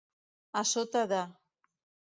A sota de.